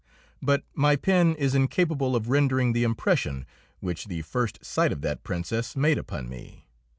But my pen is incapable of rendering the impression which the first sight of that Princess made upon me.